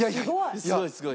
すごいすごい。